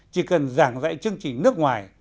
chỉ cần giảng dạy chương trình nước ngoài